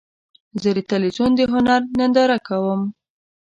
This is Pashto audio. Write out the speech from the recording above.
زه د تلویزیون د هنر ننداره کوم.